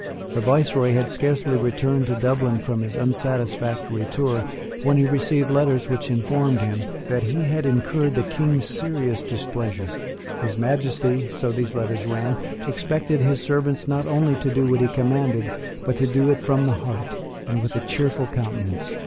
The viceroy had scarcely returned to Dublin, from his unsatisfactory tour, when he received letters which informed him that he had incurred the King's serious displeasure. His Majesty so these letters ran expected his servants not only to do what he commanded, but to do it from the heart, and with a cheerful countenance.